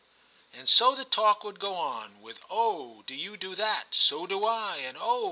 And so the talk would go on, with, 'Oh! do you do that.^ so do I,' and 'Oh!